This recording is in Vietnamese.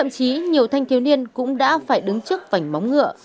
chí nhiều thanh thiếu niên cũng đã phải đứng trước vảnh móng ngựa